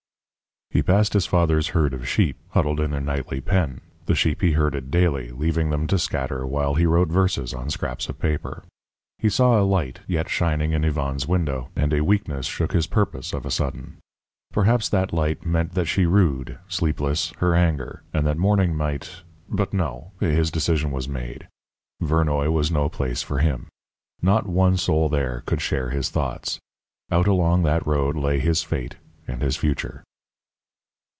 He passed his father's herd of sheep, huddled in their nightly pen the sheep he herded daily, leaving them to scatter while he wrote verses on scraps of paper. He saw a light yet shining in Yvonne's window, and a weakness shook his purpose of a sudden. Perhaps that light meant that she rued, sleepless, her anger, and that morning might But, no! His decision was made. Vernoy was no place for him. Not one soul there could share his thoughts. Out along that road lay his fate and his future.